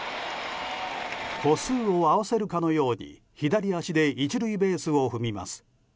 歩数を合わせるかのように左足で１塁ベースを踏みます。